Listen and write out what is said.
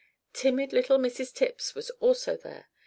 Timid little Mrs Tipps was also there.